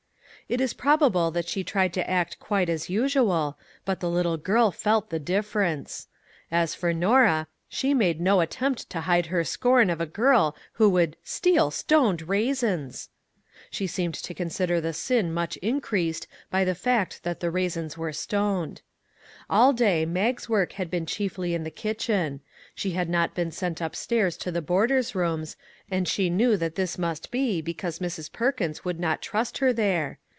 It is probable that she tried to act quite as usual, but the little girl felt the difference. As for Norah, she made no attempt to hide her scorn of a girl who would " steal stoned raisins !" She seemed to consider the sin much increased by the fact that the raisins were stoned. All day Mag's work had been chiefly in the kitchen ; she had not been sent upstairs to the boarders' rooms, and she knew that this must be because Mrs. Perkins would not trust her there.